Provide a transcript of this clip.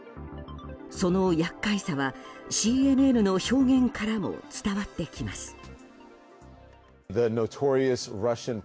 その厄介さはＣＮＮの表現からも伝わってきます。